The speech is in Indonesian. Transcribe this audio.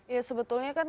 ya sebetulnya kan